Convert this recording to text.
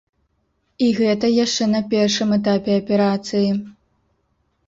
І гэта яшчэ на першым этапе аперацыі!